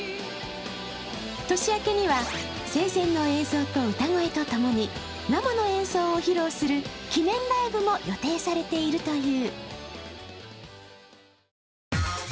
年明けには生前の映像と歌声とともに、生の演奏を披露する記念ライブも予定されているという。